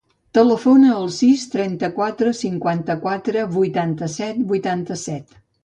Telefona al sis, trenta-quatre, cinquanta-quatre, vuitanta-set, vuitanta-set.